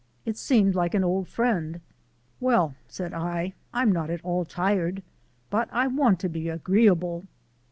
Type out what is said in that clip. It seemed like an old friend. "Well," said I. "I'm not at all tired, but I want to be agreeable."